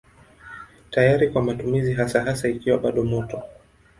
Tayari kwa matumizi hasa hasa ikiwa bado moto.